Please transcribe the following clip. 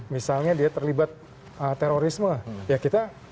misalnya dia terlibat terorisme ya kita